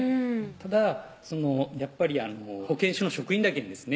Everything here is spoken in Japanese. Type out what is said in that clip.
ただやっぱり保健所の職員だけんですね